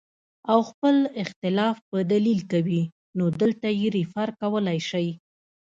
او خپل اختلاف پۀ دليل کوي نو دلته ئې ريفر کولے شئ